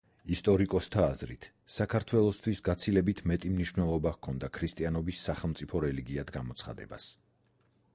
ისტორიკოსთა აზრით საქართველოსთვის გაცილებით მეტი მნიშვნელობა ჰქონდა ქრისტიანობის სახელმწიფო რელიგიად გამოცხადებას.